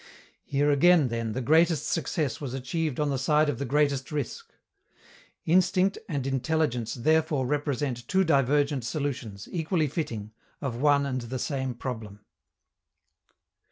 Here again, then, the greatest success was achieved on the side of the greatest risk. _Instinct and intelligence therefore represent two divergent solutions, equally fitting, of one and the same problem.